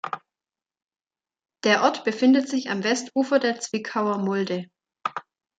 Der Ort befindet sich am Westufer der Zwickauer Mulde.